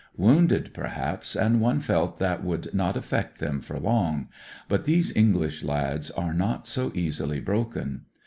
Wounded, perhaps, and one felt that would not affect them for long; but these EngUsh lads are not so easily broken.